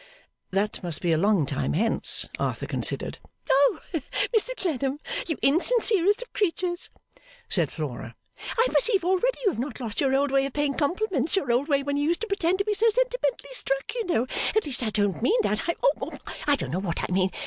That must be a long time hence, Arthur considered. 'Oh Mr Clennam you insincerest of creatures,' said Flora, 'I perceive already you have not lost your old way of paying compliments, your old way when you used to pretend to be so sentimentally struck you know at least I don't mean that, I oh I don't know what I mean!